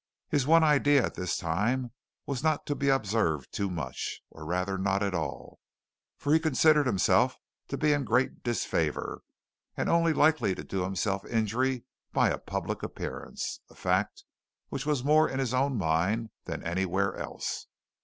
His one idea at this time was not to be observed too much, or rather not at all, for he considered himself to be in great disfavor, and only likely to do himself injury by a public appearance a fact which was more in his own mind than anywhere else.